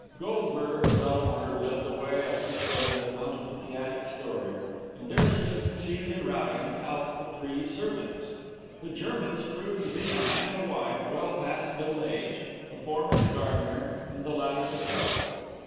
Goldberger, without a word, led the way up the stair that mounted to the attic story, and there soon succeeded in routing out the three servants. The Germans proved to be a man and wife, well past middle age, the former the gardener and the latter the cook.